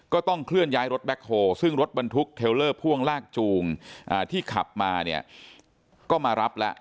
ก็ต้องเคลื่อนย้ายรถแบ็คโฮซึ่งรถบรรทุกเทลเลอร์พ่วงลากจูงที่ขับมาเนี่ยก็มารับแล้ว